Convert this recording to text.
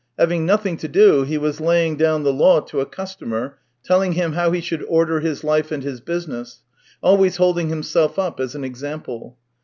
Having nothing to do, he was laying down the law to a customer, telling him how he should order his life and his business, always holding himself up as an example.